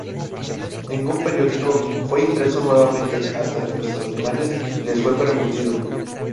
Ningún periódico fue impreso nuevamente hasta que a los alemanes les fue permitido.